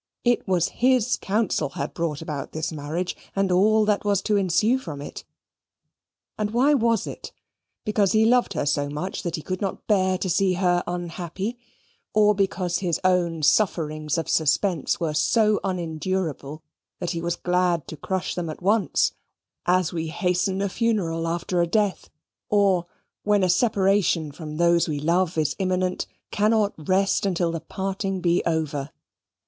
It was his counsel had brought about this marriage, and all that was to ensue from it. And why was it? Because he loved her so much that he could not bear to see her unhappy: or because his own sufferings of suspense were so unendurable that he was glad to crush them at once as we hasten a funeral after a death, or, when a separation from those we love is imminent, cannot rest until the parting be over.